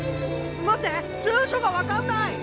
待って住所が分かんない！